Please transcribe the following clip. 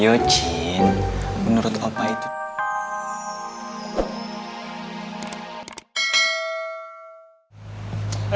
yo augen menurut opa itu dan kamu